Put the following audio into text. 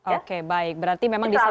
oke baik berarti memang disana